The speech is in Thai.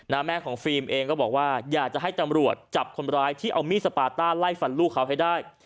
แม่ของฟิล์มเองก็บอกว่าอยากจะให้ตำรวจจับคนร้ายที่เอามีดสปาต้าไล่ฟันลูกเขาให้ได้